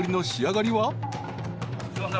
すいません。